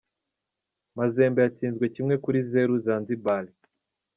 Mazembe yatsinzwe Kimwe Kuri Zero Zanzibali